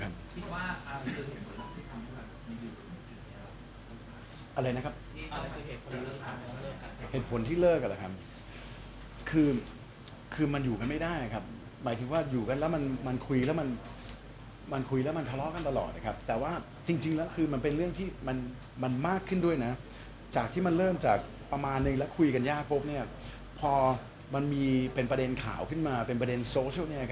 เหตุผลที่เลิกกันแหละครับคือคือมันอยู่กันไม่ได้ครับหมายถึงว่าอยู่กันแล้วมันคุยแล้วมันคุยแล้วมันทะเลาะกันตลอดนะครับแต่ว่าจริงแล้วคือมันเป็นเรื่องที่มันมากขึ้นด้วยนะจากที่มันเริ่มจากประมาณนึงแล้วคุยกันยากปุ๊บเนี่ยพอมันมีเป็นประเด็นข่าวขึ้นมาเป็นประเด็นโซเชียลเนี่ย